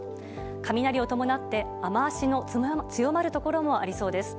雷を伴って、雨脚の強まるところもありそうです。